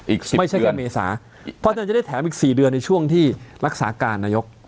อีก๑๐เดือนไม่ใช่แค่เมษาเพราะท่านจะได้แถมอีก๔เดือนในช่วงที่รักษาการนายก